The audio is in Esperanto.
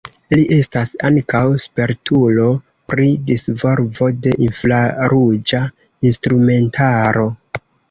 Li estas ankaŭ spertulo pri disvolvo de infraruĝa instrumentaro.